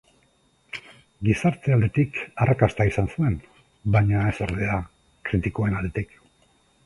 Gizarte aldetik arrakasta izan zuen, baina ez ordea kritikoen aldetik.